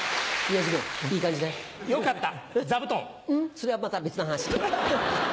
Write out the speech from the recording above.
それはまた別の話。